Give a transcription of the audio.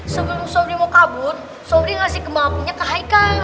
sebelum sobri mau kabur sobri ngasih kembang apinya ke aika